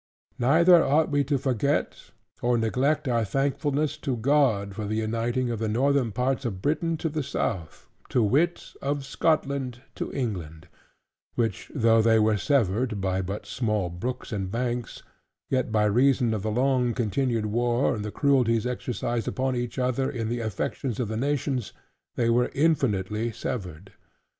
Neither ought we to forget, or neglect our thankfulness to God for the uniting of the northern parts of Britain to the south, to wit, of Scotland to England, which though they were severed but by small brooks and banks, yet by reason of the long continued war, and the cruelties exercised upon each other, in the affections of the nations, they were infinitely severed.